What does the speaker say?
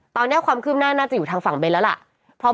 ตอนนี้ความคืบหน้าน่าจะอยู่ทางฝั่งเน้นแล้วล่ะ